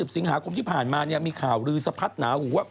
สิงหาคมที่ผ่านมามีข่าวลือสะพัดหนาหูว่า